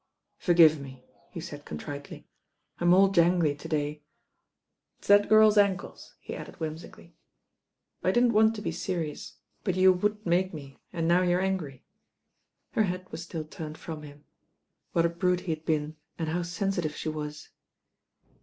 "Forgive me," he said contritely, "rm all jangly to day. It's that girl's ankles," he added whimsically. "I didn't want to be serious; but you would make me, and now you're angry." Her head was still turned from him. What a brute he had been, and how sensitive she was.